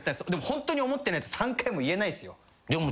ホントに思ってないと３回も言えないっすよ。